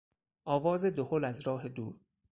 آواز دهل از راه دور